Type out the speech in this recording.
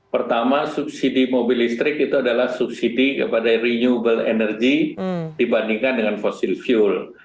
pertama subsidi mobil listrik itu adalah subsidi kepada renewable energy dibandingkan dengan fossil fuel